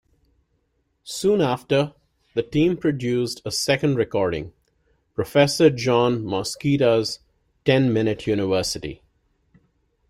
Soon after, the team produced a second recording, Professor John Moschitta's Ten Minute University.